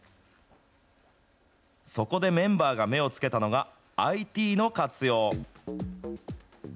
そこでメンバーが目をつけたのが、ＩＴの活用。